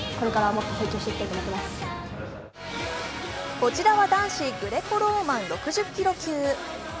こちらは男子グレコローマンスタイル６０キロ級。